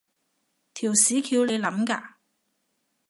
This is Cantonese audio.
條屎橋你諗嘅？